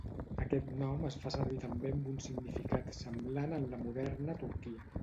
Aquest nom es fa servir també amb un significat semblant en la moderna Turquia.